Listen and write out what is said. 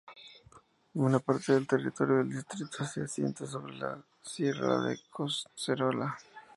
Buena parte del territorio del distrito se asienta sobre la sierra de Collserola.